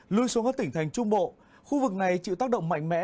lưu xuống các tỉnh thành trung bộ khu vực này chịu tác động mạnh mẽ